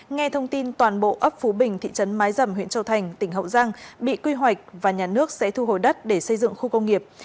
nghe thông tin toàn bộ ấp phú bình thị trấn mái dầm huyện châu thành tỉnh hậu giang bị quy hoạch và nhà nước sẽ thu hồi đất để xây dựng khu công nghiệp